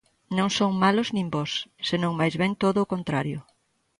Non son malos nin bos, senón mais ben todo o contrario.